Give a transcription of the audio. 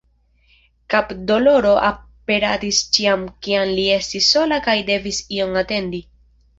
Kapdoloro aperadis ĉiam kiam li estis sola kaj devis ion atendi.